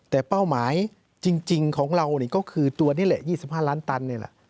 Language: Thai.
แต่เป้าหมายจริงของเราก็คือตัวนี้แหละ๒๕ล้านตัน